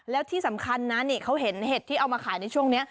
แล้วที่สำคัญนะนี่เขาเห็นเห็ดที่เอามาขายในช่วงนี้